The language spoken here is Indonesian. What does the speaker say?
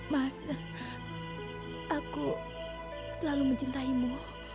mas aku selalu mencintaimu